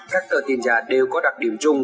các tờ tiền giả đều có đặc điểm chung